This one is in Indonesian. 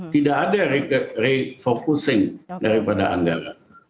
tidak ada refocusing daripada anggaran